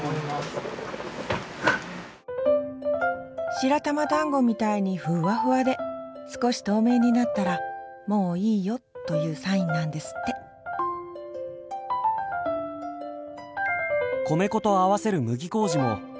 白玉だんごみたいにふわふわで少し透明になったら「もういいよ」というサインなんですって米粉と合わせる麦麹も手作りしています。